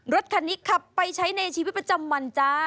รถคันนี้ขับไปใช้ในชีวิตประจำวันจ้า